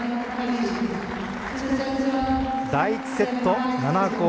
第１セット、７−５。